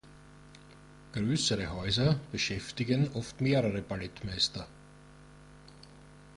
Größere Häuser beschäftigen oft mehrere Ballettmeister.